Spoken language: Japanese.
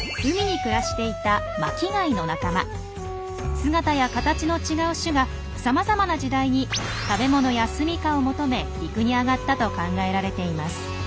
姿や形の違う種がさまざまな時代に食べ物や住みかを求め陸に上がったと考えられています。